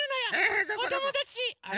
おともだち。